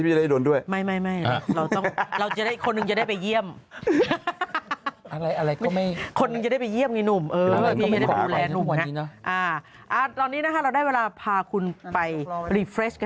พอดีมันเป็นข่าวออกมา